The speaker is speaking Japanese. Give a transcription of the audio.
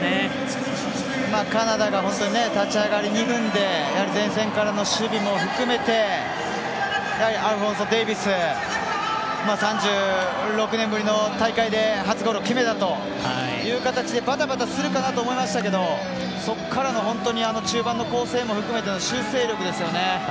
カナダが立ち上がり２分で前線からの守備も含めてやはりアルフォンソ・デイビス３６年ぶりの大会で初ゴールを決めたという形でバタバタするかなと思いましたけどそこから中盤の構成も含めての修正力ですよね。